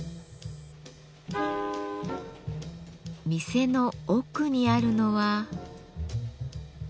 店の奥にあるのは。